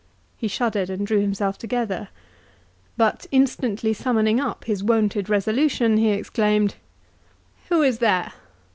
He shuddered and drew himself together; but, instantly summoning up his wonted resolution, he exclaimed, "Who is there?